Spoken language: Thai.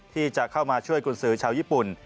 ที่จะเข้ามาช่วยกุญสือชาวญี่ปุ่น